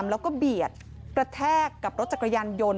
แล้วก็เบียดกระแทกกับรถจักรยานยนต์